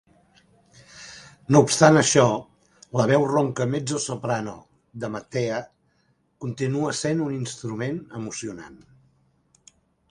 No obstant això, la veu ronca mezzosoprano de Mattea continua sent un instrument emocionant.